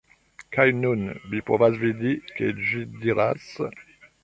Kaj nun, vi povas vidi, ke ĝi diras